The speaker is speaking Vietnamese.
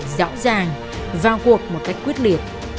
rõ ràng vào cuộc một cách quyết liệt